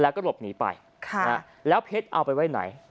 แล้วก็หลบหนีไปแล้วเพชรเอาไปไว้ไหน